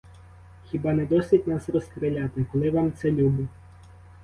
Хіба не досить нас розстріляти, коли вам це любо?